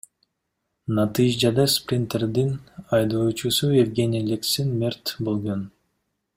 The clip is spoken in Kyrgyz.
Натыйжада Спринтердин айдоочусу Евгений Лексин мерт болгон.